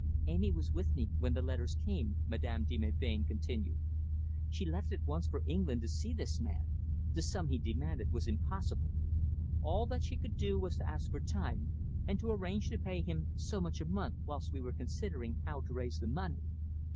"Amy was with me when the letters came," Madame de Melbain continued. "She left at once for England to see this man. The sum he demanded was impossible. All that she could do was to ask for time, and to arrange to pay him so much a month whilst we were considering how to raise the money.